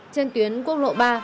trên tuyến quốc lộ ba